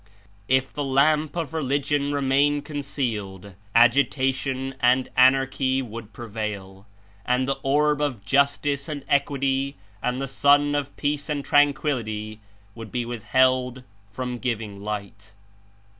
If the lamp of Religion remain con cealed, agitation and anarchy would prevail, and the orb of justice and equity and the sun of peace and tranquillity would be withheld from giving light.